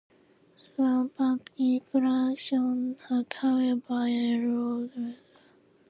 Rampant inflation had however eroded competitiveness, devalued pensions, investments, and wages.